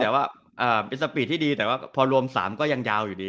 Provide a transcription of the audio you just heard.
เอาเป็นสปีดที่ดีแต่พอรวม๓ก็ยังยาวอยู่ดี